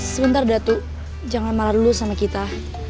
sebentar datu jangan marah dulu sama kita